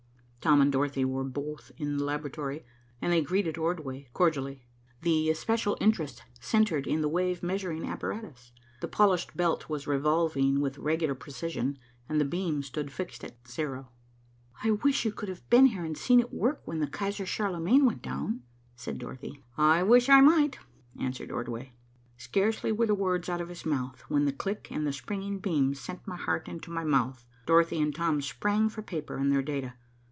Tom and Dorothy were both in the laboratory, and they greeted Ordway cordially. The especial interest centred in the wave measuring apparatus. The polished belt was revolving with regular precision, and the beam stood fixed at zero. "I wish you could have been here and seen it work, when the Kaiser Charlemagne went down," said Dorothy. "I wish I might," answered Ordway. Scarcely were the words out of his mouth, when the click and the springing beam sent my heart into my mouth. Dorothy and Tom sprang for paper and their data.